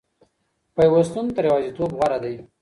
پيوستون تر يوازيتوب غوره دی.